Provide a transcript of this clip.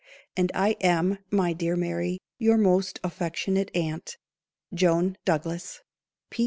_ And I am, my dear Mary, your most affectionate aunt, "JOAN DOUGLAS."